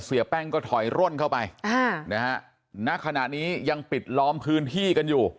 เสียแป้งก็ถอยร่นเข้าไปอ่านะฮะณขณะนี้ยังปิดล้อมพื้นที่กันอยู่